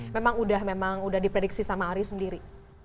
memang udah diprediksi sama ari sendiri